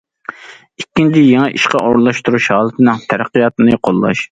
ئىككىنچى، يېڭى ئىشقا ئورۇنلاشتۇرۇش ھالىتىنىڭ تەرەققىياتىنى قوللاش.